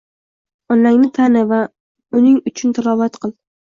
Onangni tani va unnng uchun tilovat qil.